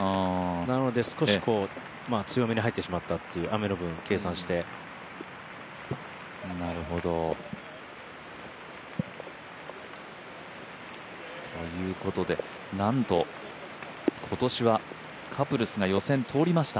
なので少し、強めに入ってしまったっていう雨の分計算して。ということで、なんと、今年はカプルスが予選通りました。